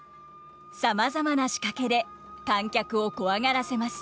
さまざまな仕掛けで観客をコワがらせます。